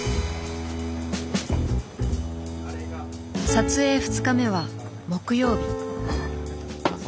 撮影２日目は木曜日。